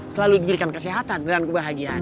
selalu diberikan kesehatan dan kebahagiaan